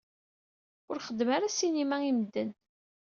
Ur xeddem ara ssinima i medden.